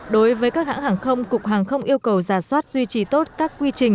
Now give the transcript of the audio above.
đối với các hãng hàng không cục hàng không yêu cầu giả soát duy trì tốt các quy trình